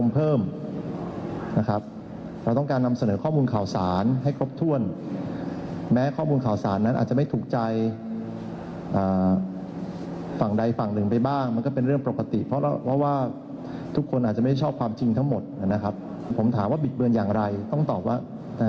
ผมถามว่าบิดเบือนอย่างไรต้องตอบว่า